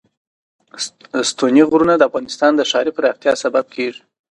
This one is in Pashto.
ستوني غرونه د افغانستان د ښاري پراختیا سبب کېږي.